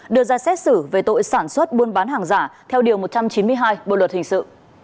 đưa ra xét xử về tội sản xuất buôn bán hàng giả theo điều một trăm chín mươi hai bộ luật hình sự